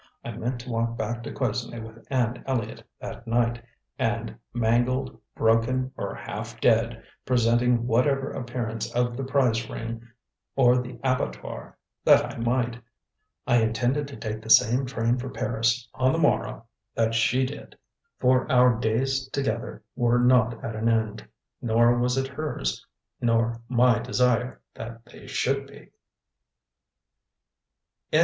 I meant to walk back to Quesnay with Anne Elliott that night, and, mangled, broken, or half dead, presenting whatever appearance of the prize ring or the abattoir that I might, I intended to take the same train for Paris on the morrow that she did. For our days together were not at an end; nor was it hers nor my desire that they should be.